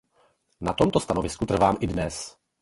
Na tomto stanovisku trvám i dnes.